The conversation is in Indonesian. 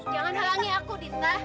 jangan halangi aku dita